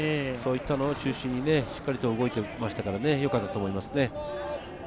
そういったのを中心にしっかりと動いていましたから、よかったと思います。